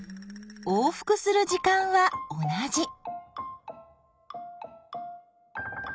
往復する時間は同じ。